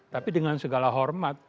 tapi dengan segala hormat